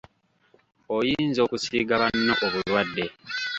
Oyinza okusiiga banno obulwadde.